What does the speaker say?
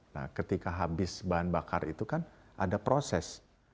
nah ketika habis bahan bakar itu kan ada proses